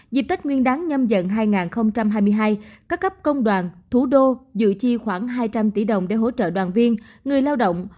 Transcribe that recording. dịp tết nguyên đáng nhâm dần hai nghìn hai mươi hai các cấp công đoàn thủ đô dự chi khoảng hai trăm linh tỷ đồng để hỗ trợ đoàn viên người lao động